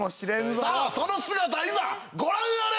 さあその姿いざご覧あれ！